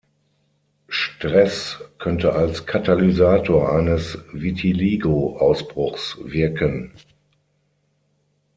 Stress könnte als Katalysator eines Vitiligo-Ausbruchs wirken.